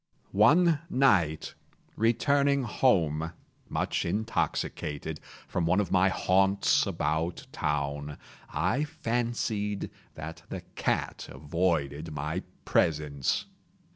One night, returning home, much intoxicated, from one of my haunts about town, I fancied that the cat avoided my presence.